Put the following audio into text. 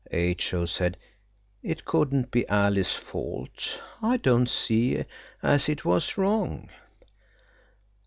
H.O. said, "It couldn't be Alice's fault. I don't see as it was wrong."